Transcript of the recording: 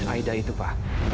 aida itu pa